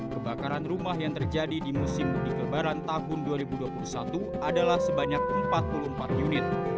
kebakaran rumah yang terjadi di musim dikebaran tahun dua ribu dua puluh satu adalah sebanyak empat puluh empat unit